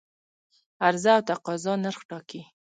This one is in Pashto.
عرضه او تقاضا نرخ ټاکي